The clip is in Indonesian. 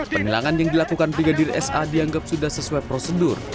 penilangan yang dilakukan brigadir sa dianggap sudah sesuai prosedur